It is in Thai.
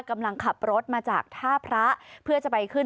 กำลังขับรถมาจากท่าพระเพื่อจะไปขึ้น